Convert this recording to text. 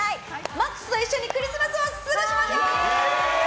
ＭＡＸと一緒にクリスマスを過ごしましょう！